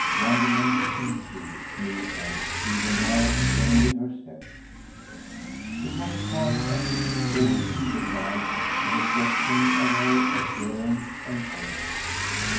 Wonderments in truth, Milly felt, even now attended her steps: it was quite as if she saw in people's eyes the reflexion of her appearance and pace.